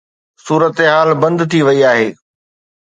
صورتحال بند ٿي وئي آهي.